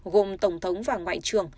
gồm tổng thống và ngoại trưởng